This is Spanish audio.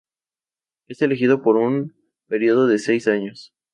Es elegido por un periodo de seis años.